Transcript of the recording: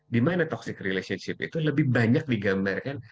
di mana toxic relationship itu lebih banyak digambarkan